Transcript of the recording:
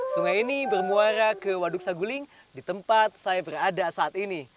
sungai ini bermuara ke waduk saguling di tempat saya berada saat ini